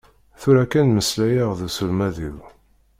Tura kan i meslayeɣ d uselmad-im.